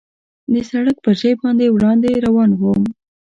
د سړک پر ژۍ باندې وړاندې روان ووم.